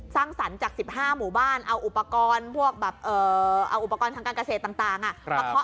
สร้างสรรค์จาก๑๕หมู่บ้านเอาอุปกรณ์ทางการเกษตรต่างอ่ะ